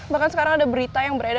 bukan sekarang ada berita yang berkata